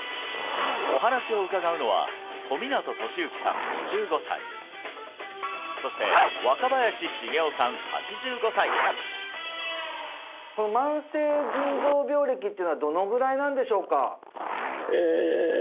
お話を伺うのはそして慢性腎臓病歴っていうのはどのぐらいなんでしょうか？